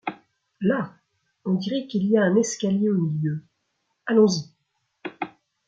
Là, on dirait qu'il y a un escalier au milieu. Allons-y !